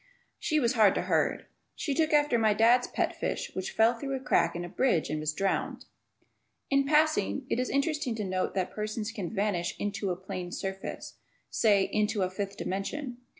She was hard to herd. She took after my dad's pet fish which fell through a crack in a bridge and was drowned. In passing, it is interesting to note that persons can vanish "into" a plane surface; say, "into" a fifth dimension.